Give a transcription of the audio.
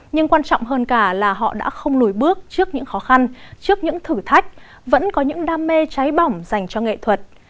nhưng quan trọng hơn cả là họ đã không lùi bước trước những khó khăn trước những thử thách vẫn có những đam mê cháy bỏng dành cho nghệ thuật